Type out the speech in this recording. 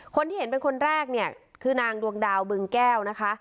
คนที่เห็นเป็นคนแรกเนี่ยคือนางดวงดาวบึงแก้วนะคะ